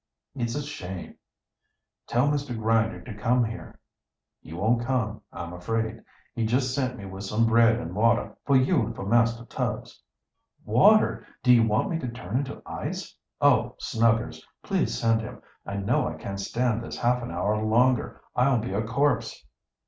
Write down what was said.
"It's a shame!" "Tell Mr. Grinder to come here." "He won't come, I'm afraid. He just sent me with some bread and water for you and for Master Tubbs." "Water? Do you want me to turn into ice? Oh, Snuggers, please send him. I know I can't stand this half an hour longer. I'll be a corpse!"